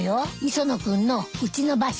磯野君のうちの場所。